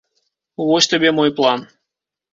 Вось табе мой план.